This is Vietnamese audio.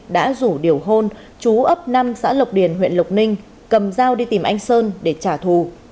đã rủ điều hôn chú ấp năm xã lộc điền huyện lộc ninh cầm dao đi tìm anh sơn để trả thù